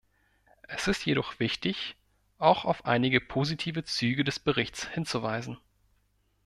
Es ist jedoch wichtig, auch auf einige positive Züge des Berichts hinzuweisen.